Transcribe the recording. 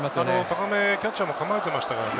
高めにキャッチャーも構えていましたからね。